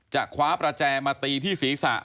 จะคว้าประแจมาตีที่ศีรษะ